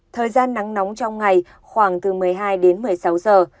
thời gian nắng nóng trong ngày khoảng từ một mươi hai đến một mươi sáu giờ